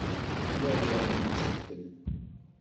Yella diɣen umusebbel.